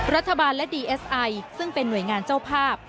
รัฐบาลและดีเอสไอซึ่งเป็นหน่วยงานเจ้าภาพ